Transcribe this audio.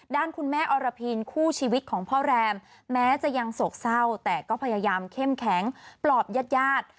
ด้านคุณแม่อรพินคู่ชีวิตของพ่อแรมแม้จะยังโศกเศร้าแต่ก็พยายามเข้มแข็งปลอบญาติญาติ